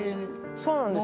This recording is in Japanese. そうなんです。